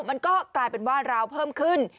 มันก็กลายเป็นว่าราวเพิ่มขึ้น